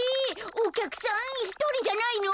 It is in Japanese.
おきゃくさんひとりじゃないの？